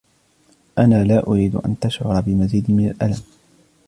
أنا لا أريد أن تشعر بمزيد من الألم.